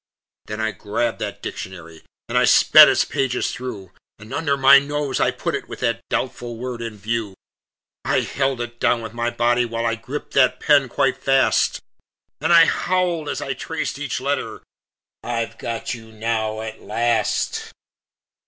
Then I grabbed that dictionary And I sped its pages through, And under my nose I put it With that doubtful word in view. I held it down with my body While I gripped that pen quite fast, And I howled, as I traced each letter: "I've got you now, at last!"